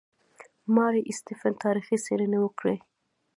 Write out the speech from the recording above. ماري سټیفن تاریخي څېړنې وکړې.